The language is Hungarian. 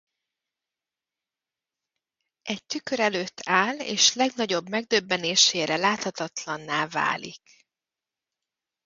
Egy tükör előtt áll és legnagyobb megdöbbenésére láthatatlanná válik.